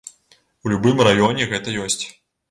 У любым раёне гэта ёсць.